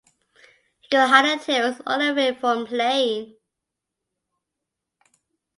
You could hardly tear us all away from playing!